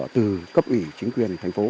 từ cấp ủy chính quyền thành phố